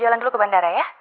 jalan dulu ke bandara ya